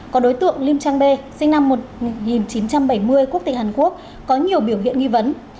có đối tượng lim trang b sinh năm một nghìn chín trăm bảy mươi quốc tịch hàn quốc có nhiều biểu hiện nghi vấn